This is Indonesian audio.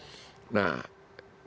ini generasi tahun itu sudah gak ada